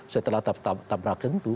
setelah tabrak itu